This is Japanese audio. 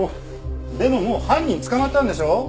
でももう犯人捕まったんでしょ？